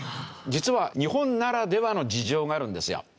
実は日本ならではの事情があるんですよ。